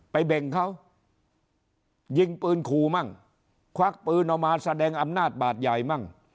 เบ่งเขายิงปืนขู่มั่งควักปืนออกมาแสดงอำนาจบาดใหญ่มั่ง